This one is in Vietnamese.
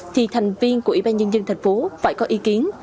thì thành viên của ủy ban nhân dân thành phố phải có ý kiến